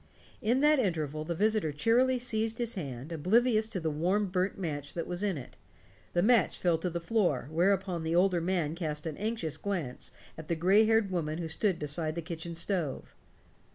In that interval the visitor cheerily seized his hand, oblivious of the warm burnt match that was in it. The match fell to the floor, whereupon the older man cast an anxious glance at a gray haired woman who stood beside the kitchen stove.